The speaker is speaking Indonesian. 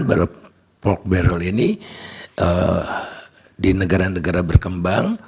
bahwa poblok bero ini di negara negara berkembang